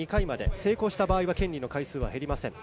成功した場合は権利の回数は減りません。